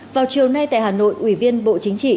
vào chiều nay tại hà nội ủy viên bộ chính trị